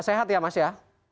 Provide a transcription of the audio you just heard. sehat ya mas ya